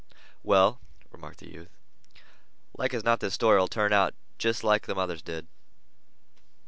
"Well," remarked the youth, "like as not this story'll turn out jest like them others did."